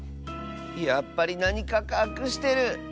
やっぱりなにかかくしてる。